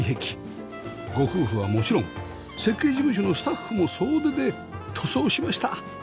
ご夫婦はもちろん設計事務所のスタッフも総出で塗装しました